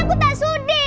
aku tak sudi